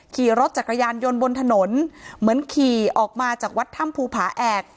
ขี่รถจักรยานยนต์บนถนนเหมือนขี่ออกมาจากวัดถ้ำภูผาแอก